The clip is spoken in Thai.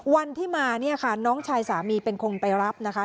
วันที่มาเนี่ยค่ะน้องชายสามีเป็นคนไปรับนะคะ